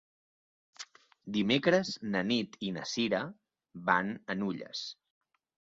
Dimecres na Nit i na Cira van a Nulles.